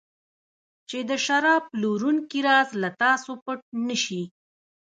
چې د شراب پلورونکي راز له تاسو پټ نه شي.